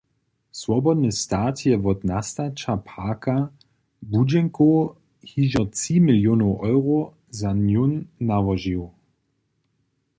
Swobodny stat je wot nastaća parka błudźenkow hižo tři miliony eurow za njón nałožił.